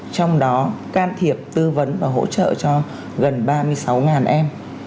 trong đó can thiệp tư vấn và hỗ trợ cho gần ba mươi sáu em